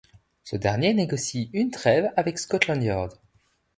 Ce dernier négocie une trêve avec Scotland Yard.